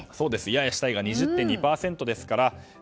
ややしたいが２０．２％ですから。